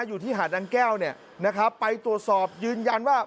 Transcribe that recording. อยู่ที่หาดนางแก้วเนี่ยนะครับไปตรวจสอบยืนยันว่า